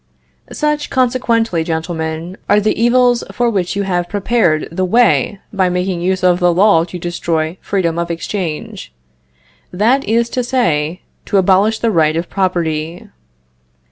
Such, consequently, gentlemen, are the evils for which you have prepared the way by making use of the law to destroy freedom of exchange; that is to say, to abolish the right of property.